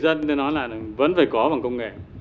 đối với người dân tôi nói là vẫn phải có bằng công nghệ